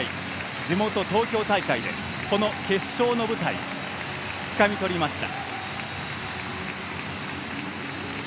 地元・東京大会でこの決勝の舞台つかみとりました。